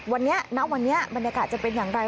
วันนี้ณวันนี้บรรยากาศจะเป็นอย่างไร